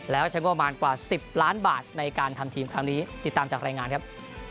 แล้วใช้งบประมาณกว่า๑๐ล้านบาทในการทำทีมครั้งนี้ติดตามจากรายงานครับ